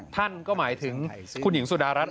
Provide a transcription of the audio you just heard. ท่านก็หมายถึงคุณหญิงสุดารัฐ